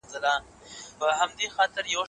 که الله تعالی ونه غواړي هیڅ شی نه کیږي.